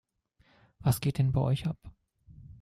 Was geht denn bei euch ab?